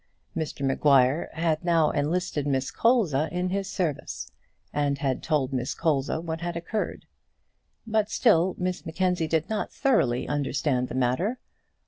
Mr Maguire had now enlisted Miss Colza in his service, and had told Miss Colza what had occurred. But still Miss Mackenzie did not thoroughly understand the matter.